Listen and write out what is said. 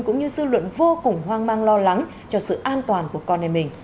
cũng như dư luận vô cùng hoang mang lo lắng cho sự an toàn của con em mình